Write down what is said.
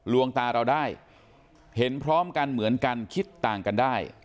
วงตาเราได้เห็นพร้อมกันเหมือนกันคิดต่างกันได้